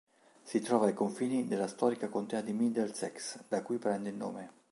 Si trova ai confini della storica contea di Middlesex da cui prende il nome.